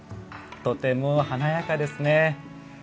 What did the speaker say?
とても華やかですね。